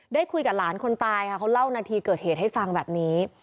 ได้คุยกับหลานคนตายค่ะเขาเล่านาทีเกิดเหตุให้ฟังแบบนี้